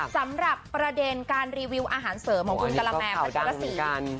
สำหรับประเด็นการรีวิวอาหารเสริมของคุณกะละแมมพัชรสี